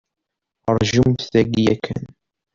Ṛajumt daki yakan.